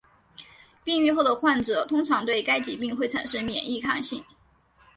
病愈后的患者通常对该疾病会产生免疫抗性。